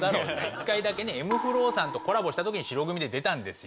一回だけねｍ−ｆｌｏさんとコラボした時に白組で出たんですよ。